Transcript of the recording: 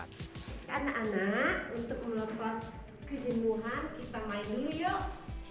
anak anak untuk melepas kejenduhan kita main dulu yuk